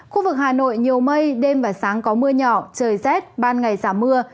khu vực hà nội nhiều mây đêm và sáng có mưa nhỏ trời rét ban ngày giảm mưa